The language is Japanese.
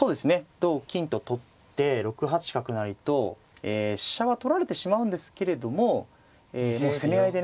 同金と取って６八角成とえ飛車は取られてしまうんですけれどももう攻め合いでね。